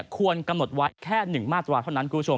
ควรกำหนดไว้แค่หนึ่งมาตราเท่านั้น